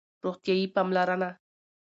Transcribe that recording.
روغتیایی پاملرنه